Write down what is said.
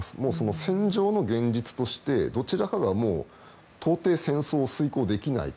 戦場の現実として到底、戦争を遂行できない。